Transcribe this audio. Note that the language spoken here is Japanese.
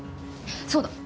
そうだ！